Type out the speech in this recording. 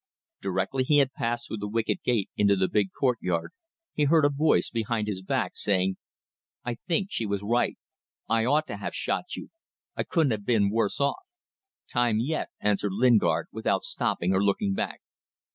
Directly he had passed through the wicket gate into the big courtyard he heard a voice, behind his back, saying "I think she was right. I ought to have shot you. I couldn't have been worse off." "Time yet," answered Lingard, without stopping or looking back.